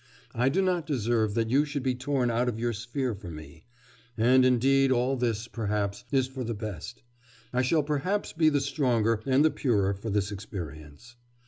I do not deserve that you should be torn out of your sphere for me.... And indeed all this, perhaps, is for the best. I shall perhaps be the stronger and the purer for this experience.